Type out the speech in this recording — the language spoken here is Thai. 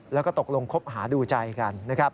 แล้วก็ตกลงคบหาดูใจกัน